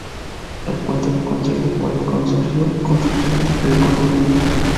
El puente fue construido por el Consorcio Construcciones El Cóndor Ltda.